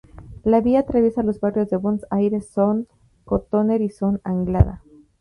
La vía atraviesa los barrios de Bons Aires, Son Cotoner y Son Anglada.